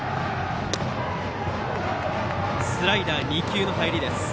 スライダー２球の入り。